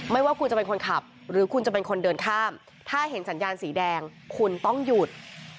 ไม่ว่าคุณจะเป็นคนขับหรือคุณจะเป็นคนเดินข้ามถ้าเห็นสัญญาณสีแดงคุณต้องหยุด